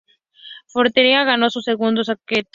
Fiorentina ganó su segundo "scudetto".